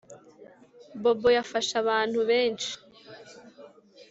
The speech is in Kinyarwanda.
bobo yafashe abantu benshi